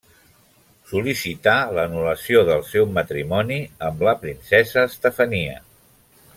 Sol·licità l’anul·lació del seu matrimoni amb la princesa Estefania.